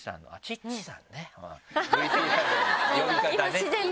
今自然に。